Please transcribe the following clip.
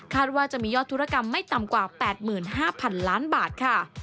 ว่าจะมียอดธุรกรรมไม่ต่ำกว่า๘๕๐๐๐ล้านบาทค่ะ